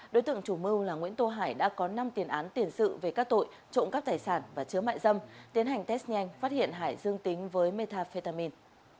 đối tượng chủ mưu là nguyễn tô hải đã có năm tiền án tiền sự về các tội trộm cắp tài sản và chứa mại dâm tiến hành test nhanh phát hiện hải dương tính với metafetamin